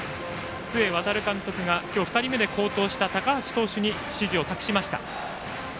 須江航監督が今日２人目で好投した高橋投手に指示を託しました。